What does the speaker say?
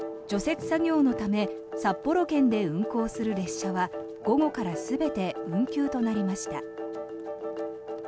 除雪作業のため札幌圏で運行する列車は午後から全て運休となりました。